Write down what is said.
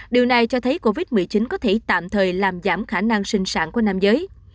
điều này cho thấy covid một mươi chín có thể tạm thời làm giảm khả năng sinh sản của nam giới